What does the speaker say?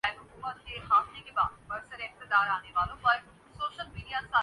Zimbabwe کے خلاف پہلا ٹیسٹ پاکستانی ٹیم نے یونس خان کی غیر معمولی اننگز کی بدولت جیتا تھا